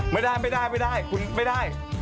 ไม่ได้ไม่ได้ไม่ได้ไม่ได้